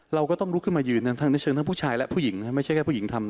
เราก็ต้องลุกขึ้นมายืนทั้งในเชิงทั้งผู้ชายและผู้หญิงนะไม่ใช่แค่ผู้หญิงทำ